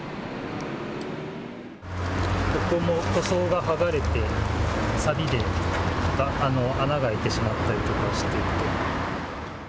ここも塗装が剥がれて、さびで穴が開いてしまったりとかしていて。